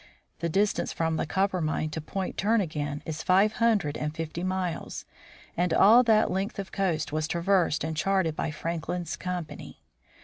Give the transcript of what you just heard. The distance from the Coppermine to Point Tnrnagain is five hundred and fifty miles, and all that length of coast was traversed and charted by Franklin's company.